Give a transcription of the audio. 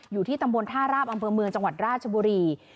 อยู่ที่ตำบลท่าราบอำเภอเมืองจังหวัดราชบุรี